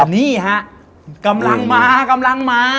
นี่ฮะกำลังมา